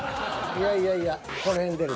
いやいやいやこの辺に出る。